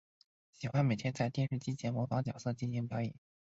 喜欢每天在电视机前模仿角色进行表演。